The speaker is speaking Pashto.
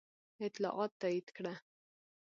اطلاعاتو تایید کړه.